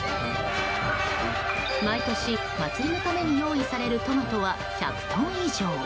毎年、祭りのために用意されるトマトは１００トン以上。